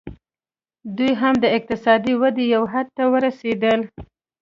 دوی هم د اقتصادي ودې یو حد ته ورسېدل